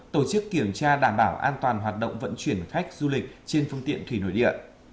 tổ chức kiểm tra đảm bảo an toàn hoạt động vận chuyển khách du lịch trên phương tiện thủy nội địa